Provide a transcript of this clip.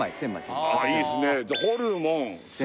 いいですね